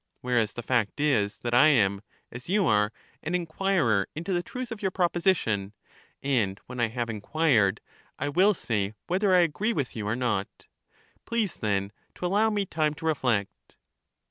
Whereas the fact is that I am, as you are, an inquirer into the truth of your proposition; and when I have inquired, I will say whether I agree with you or not. Please then to allow me time to reflect.